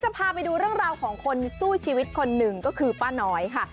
พาไปดูเรื่องราวของคนสู้ชีวิตคนหนึ่งก็คือป้าน้อยค่ะ